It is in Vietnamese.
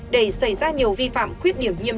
để xảy ra nhiều vi phạm khuyết điểm